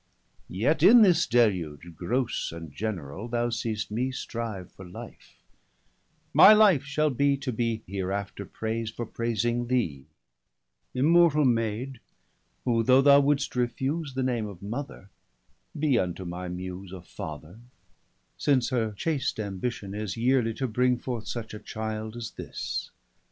Yet in this deluge, grosse and generall, 30 Thou seest me strive for life; my life shall bee, To be hereafter prais'd, for praysing thee; Immortall Maid, who though thou would'st refuse The name of Mother, be unto my Muse A Father, since her chast Ambition is, 35 Yearely to bring forth such a child as this.